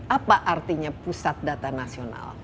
apa artinya pusat data nasional